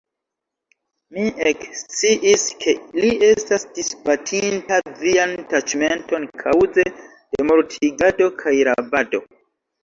Mi eksciis, ke li estas disbatinta vian taĉmenton kaŭze de mortigado kaj rabado.